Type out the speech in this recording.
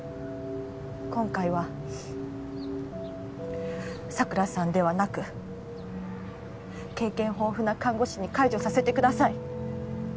今回は佐倉さんではなく経験豊富な看護師に介助させてください